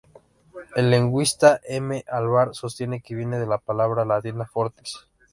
El lingüista M. Alvar sostiene que viene de la palabra latina "fortis".